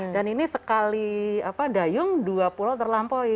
dan ini sekali dayung dua pulau terlampaui